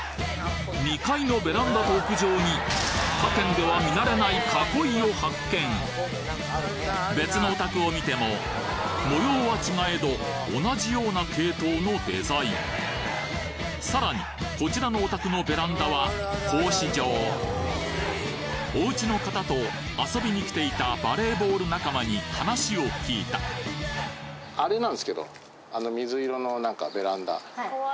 ２階のベランダと屋上に他県では見られない囲いを発見別のお宅を見ても模様は違えど同じような系統のデザインさらにこちらのお宅のベランダは格子状おうちの方と遊びに来ていたバレーボール仲間に話を聞いたあれなんですけどあの。